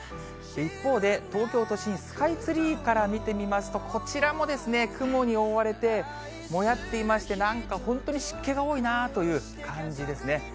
一方で、東京都心、スカイツリーから見てみますと、こちらも雲に覆われて、もやっていまして、なんか本当に湿気が多いなという感じですね。